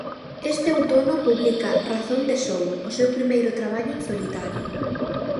Este outono publica 'Razón de Son', o seu primeiro traballo en solitario.